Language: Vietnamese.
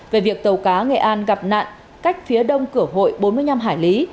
về việc tàu cá nghệ an gặp nạn cách phía đông cửa hội bốn mươi năm hải lý